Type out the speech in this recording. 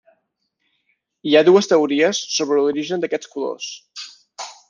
Hi ha dues teories sobre l'origen d'aquests colors.